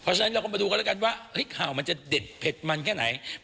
เพราะฉะนั้นเราก็มาดูกันแล้วกันว่าข่าวมันจะเด็ดเผ็ดมันแค่ไหน